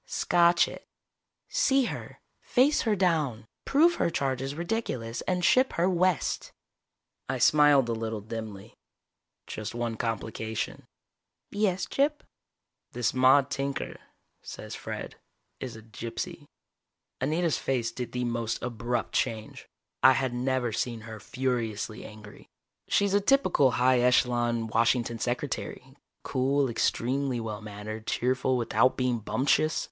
"Scotch it. See her, face her down, prove her charge is ridiculous, and ship her west." I smiled a little dimly. "Just one complication." "Yes, Gyp?" "This Maude Tinker, says Fred, is a gypsy." Anita's face did the most abrupt change. I had never seen her furiously angry. She's a typical high echelon Washington secretary, cool, extremely well mannered, cheerful without being bumptious.